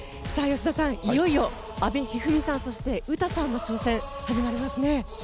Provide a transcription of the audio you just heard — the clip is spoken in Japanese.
吉田さん、いよいよ阿部一二三さん、詩さんの挑戦が始まりますね。